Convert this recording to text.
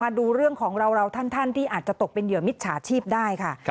ดูเรื่องของเราท่านที่อาจจะตกเป็นเหยื่อมิจฉาชีพได้ค่ะ